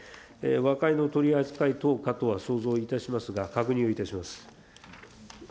和解の取り扱い等かとは想像いたしますが、確認をいたします。